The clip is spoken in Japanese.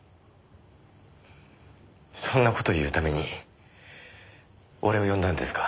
そんな事を言うために俺を呼んだんですか？